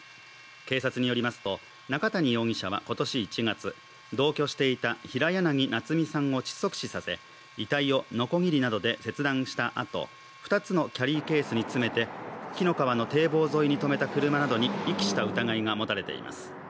警察によりますと中谷容疑者は今年１月、同居していた平柳奈都弥さんを窒息死させ、遺体をのこぎりなどで切断したあと、２つのキャリーケースに詰めて、紀の川の堤防沿いに止めた車などに、遺棄した疑いが持たれています。